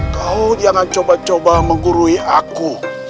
kau jangan coba coba menggurui aku